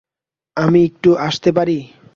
আমি একটু আসতে পারি?